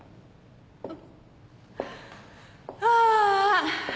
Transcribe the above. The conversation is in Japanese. ああ！